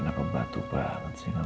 kenapa batu banget sih kamu